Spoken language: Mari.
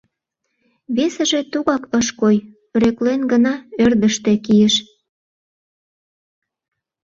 Весыже тугак ыш кой, рӧклен гына ӧрдыжтӧ кийыш.